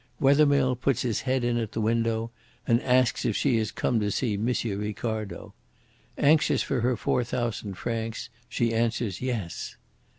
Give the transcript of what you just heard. Wethermill puts his head in at the window and asks if she has come to see M. Ricardo. Anxious for her four thousand francs, she answers 'Yes.'